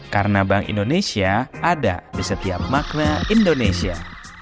karena bank indonesia ada di setiap makna indonesia